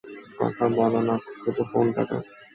কথা বল না শুধু ফোনটা দাও।